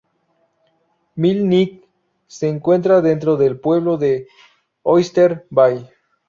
Mill Neck se encuentra dentro del pueblo de Oyster Bay.